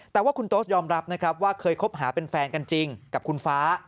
แต่ว่าคุณโต๊สยอมรับนะครับว่าเคยคบหาเป็นแฟนกันจริงกับคุณฟ้า